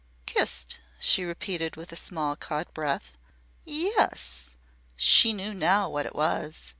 "Kissed," she repeated, with a small caught breath. "Ye es." She knew now what it was.